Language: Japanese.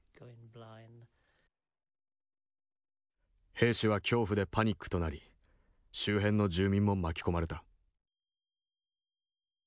兵士は恐怖でパニックとなり周辺の住民も巻き込まれた。